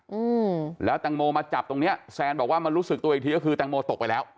อืมแล้วแตงโมมาจับตรงเนี้ยแซนบอกว่ามารู้สึกตัวอีกทีก็คือแตงโมตกไปแล้ว